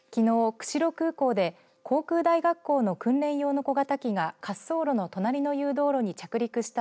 釧路空港で航空大学校の訓練用の小型機が滑走路の隣の誘導路に着陸した